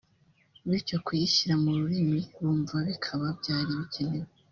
bityo kuyishyira mu rurimi bumva bikaba byari bikenewe